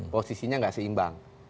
posisinya tidak seimbang